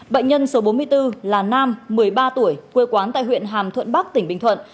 bệnh nhân số bốn mươi bốn là nam một mươi ba tuổi quê quán tại huyện hàm thuận bắc tỉnh bình thuận